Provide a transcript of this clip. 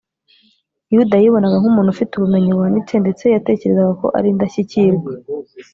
yuda yibonaga nk’umuntu ufite ubumenyi buhanitse, ndetse yatekerezaga ko ari indashyikirwa